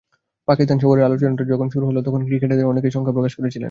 পাকিস্তান সফরের আলোচনাটা যখন শুরু হলো, তখন ক্রিকেটারদের অনেকেই শঙ্কা প্রকাশ করেছিলেন।